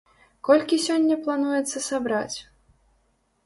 Колькі сёння плануецца сабраць?